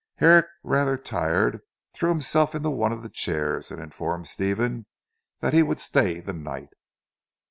Herrick rather tired, threw himself into one of the chairs, and informed Stephen that he would stay the night.